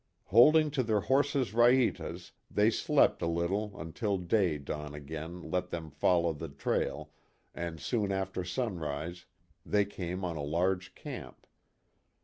Holding to their horses raitas they slept (!) a little until day dawn again let them follow the trail and soon after sunrise they came on a large camp.